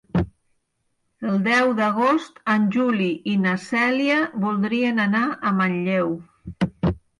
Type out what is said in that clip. El deu d'agost en Juli i na Cèlia voldrien anar a Manlleu.